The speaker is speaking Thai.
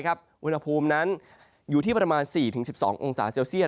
วันภูมินะอยู่ที่ประมาณ๔ถึง๑๒องศาเซลเซียต